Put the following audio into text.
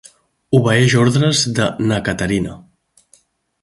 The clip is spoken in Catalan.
Obeeix ordres de na Caterina.